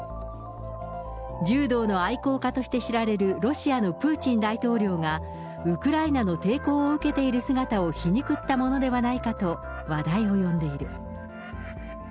柔道の愛好家として知られるロシアのプーチン大統領が、ウクライナの抵抗を受けている姿を皮肉ったものではないかと話題を呼んでいる。